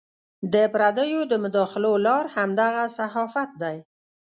د پردیو د مداخلو لار همدغه صحافت دی.